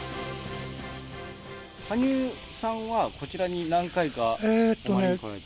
羽生さんはこちらに何回かお参りに来られたんですか。